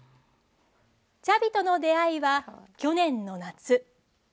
チャビとの出会いは去年の夏。